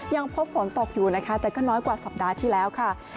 ยังพบฝนตกอยู่นะคะแต่ก็น้อยกว่าสัปดาห์ที่แล้วค่ะ